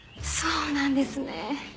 そうなんですね。